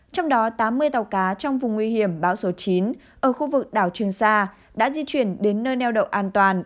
trong đó tám mươi tàu cá trong vùng nguy hiểm bão số chín ở khu vực đảo trường sa đã di chuyển đến nơi neo đậu an toàn